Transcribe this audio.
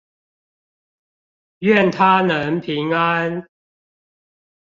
願他能平安